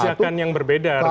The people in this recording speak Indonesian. bijakan yang berbeda artinya